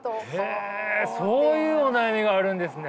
へえそういうお悩みがあるんですね。